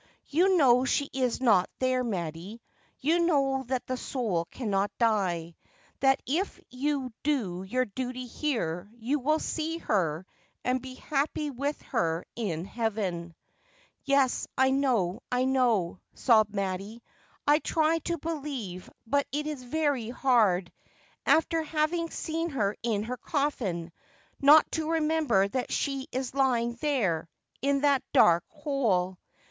You know she is not there, Mattie. You know that the soul cannot die, that if you do your duty here you will see her and be happy with her in heaven.' ' Yes, I know, I know,' sobbed Mattie. ' I try to believe — but it is very hard— after having seen her in her coffin — not to remember that she is lying there— in that dark hole.